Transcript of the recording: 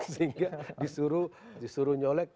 sehingga disuruh nyelek